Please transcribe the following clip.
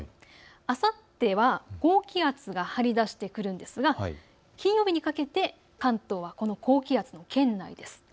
あさっては高気圧が張り出してくるんですが金曜日にかけてこの高気圧圏内です。